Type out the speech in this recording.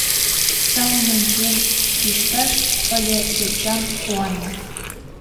Сайын ончен кӱшташ ыле йочам куанлан.